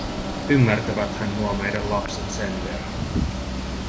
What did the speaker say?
Ymmärtäväthän nuo meidän lapset sen verran.